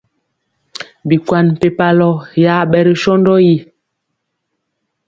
Bikwan mpempalɔ yaɓɛ ri sɔndɔ yi.